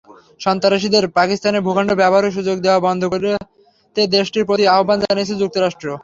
সন্ত্রাসীদের পাকিস্তানের ভূখণ্ড ব্যবহারের সুযোগ দেওয়া বন্ধ করতে দেশটির প্রতি আহ্বান জানিয়েছে যুক্তরাষ্ট্র।